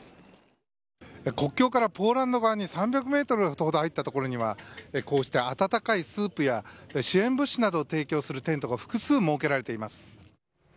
国境からポーランド側に３００メートルほど入った所には、こうした温かいスープや支援物資などを提供するテントが複数設けられています。